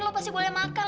lo pasti boleh makan